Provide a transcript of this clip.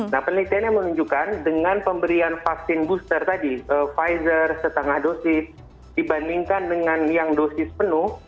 nah penelitiannya menunjukkan dengan pemberian vaksin booster tadi pfizer setengah dosis dibandingkan dengan yang dosis penuh